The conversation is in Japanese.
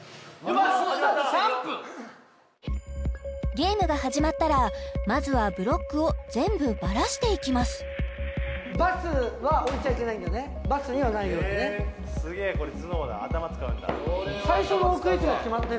ゲームが始まったらまずはブロックを全部バラしていきます×は置いちゃいけないんだね×にはないようにねへえすげえこれ頭脳だ頭使うんだ最初の置く位置が決まってる？